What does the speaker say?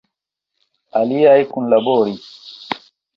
Aliaj kunlaboris.